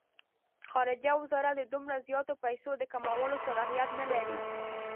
خارجه وزارت د دومره زیاتو پیسو د کمولو صلاحیت نه لري.